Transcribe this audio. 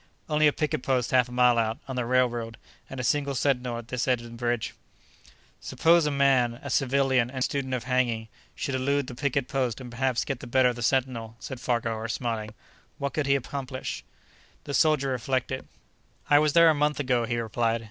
"Only a picket post half a mile out, on the railroad, and a single sentinel at this end of the bridge." "Suppose a man—a civilian and student of hanging—should elude the picket post and perhaps get the better of the sentinel," said Farquhar, smiling, "what could he accomplish?" The soldier reflected. "I was there a month ago," he replied.